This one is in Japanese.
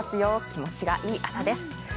気持ちがいい朝です。